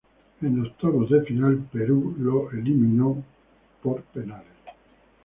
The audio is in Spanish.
En octavos de final, Perú eliminó a en definición por penales.